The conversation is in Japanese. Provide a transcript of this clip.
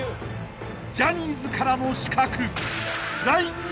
［ジャニーズからの刺客］